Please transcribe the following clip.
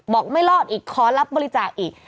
บอกไม่รอดอีกขอรับบริจาคอีก